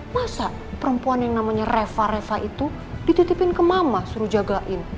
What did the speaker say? masa perempuan yang namanya reva reva itu dititipin ke mama suruh jagain